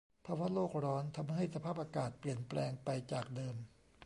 ภาวะโลกร้อนทำให้สภาพอากาศเปลี่ยนแปลงไปจากเดิม